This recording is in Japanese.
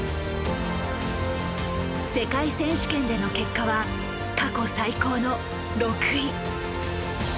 世界選手権での結果は過去最高の６位。